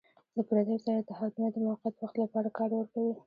له پردیو سره اتحادونه د موقت وخت لپاره کار ورکوي.